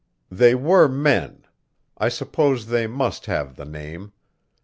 They were men; I suppose they must have the name.